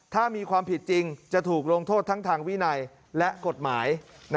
ถ้ามีความผิดจริงจะถูกลงโทษทั้งทางวินัยและกฎหมาย